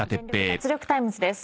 脱力タイムズ』です。